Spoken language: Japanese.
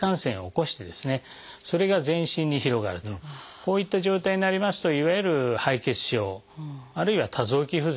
こういった状態になりますといわゆる敗血症あるいは多臓器不全。